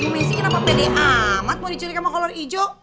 maksudnya kenapa pd amat mau diculik sama kolor hijau